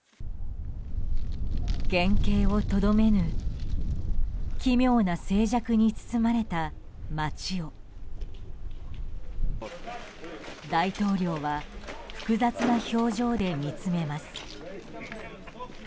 原形をとどめぬ奇妙な静寂に包まれた街を大統領は複雑な表情で見つめます。